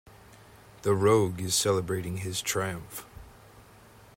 The rogue is celebrating his triumph.